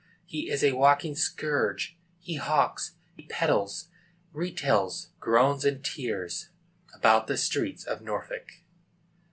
He is a walking scourge! He hawks, peddles, retails, groans and tears about the streets of Norfolk!